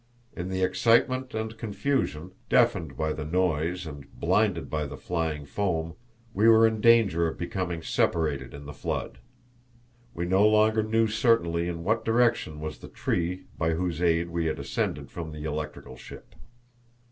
In the excitement and confusion, deafened by the noise and blinded by the flying foam, we were in danger of becoming separated in the flood. We no longer knew certainly in what direction was the tree by whose aid we had ascended from the electrical ship.